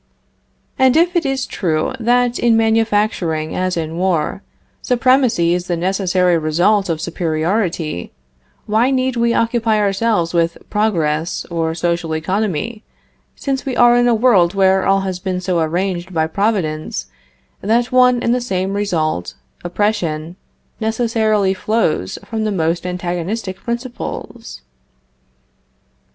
And if it is true that in manufacturing as in war, supremacy is the necessary result of superiority, why need we occupy ourselves with progress or social economy, since we are in a world where all has been so arranged by Providence that one and the same result, oppression, necessarily flows from the most antagonistic principles?